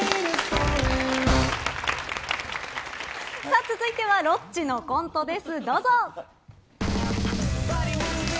続いてはロッチのコントです。